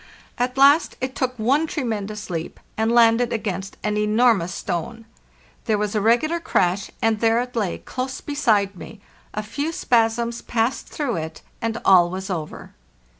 At last it took one tremendous leap, and landed against an enormous stone. There was a regular crash, and there it lay close beside me; a few spasms passed through it, and all was over.